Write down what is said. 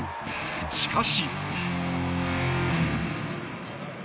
しかし。